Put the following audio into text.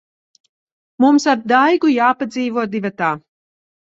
Mums ar Daigu jāpadzīvo divatā.